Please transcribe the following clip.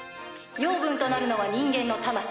ヨウブンとなるのは人間の魂。